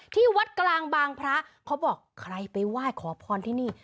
ที่วัดกลางบางพระเขาบอกใครไปไหว้ขอพรที่นี่